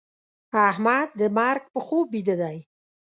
احمد د مرګ په خوب بيده دی.